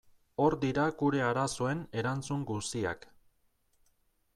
Hor dira gure arazoen erantzun guziak.